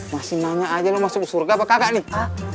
masih nanya aja lo masuk surga apa kakak nih